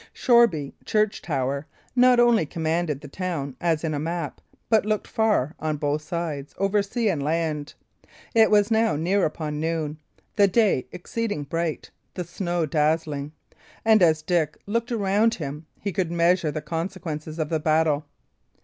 Shoreby Church tower not only commanded the town, as in a map, but looked far, on both sides, over sea and land. It was now near upon noon; the day exceeding bright, the snow dazzling. And as Dick looked around him, he could measure the consequences of the battle.